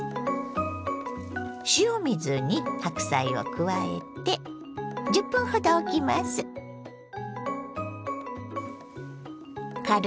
塩水に白菜を加えて１０分ほどおきます。